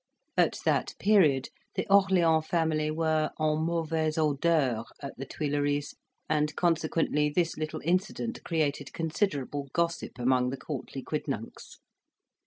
At that period, the Orleans family were en mauvais odeur at the Tuileries, and consequently, this little incident created considerable gossip among the courtly quidnuncs.